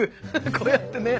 こうやってね。